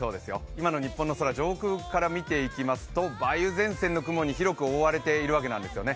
今の日本の空、上空から見ていきますと梅雨前線の雲に広く覆われているわけなんですよね。